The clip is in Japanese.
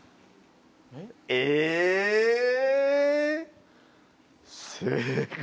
えぇ⁉正解。